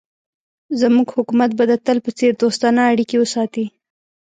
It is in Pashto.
زموږ حکومت به د تل په څېر دوستانه اړیکې وساتي.